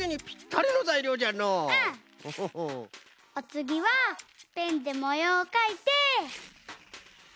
おつぎはペンでもようをかいて。